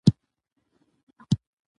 اقلیم د افغان ښځو په ژوند کې رول لري.